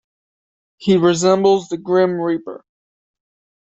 He resembles the Grim Reaper.